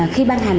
khi ban hành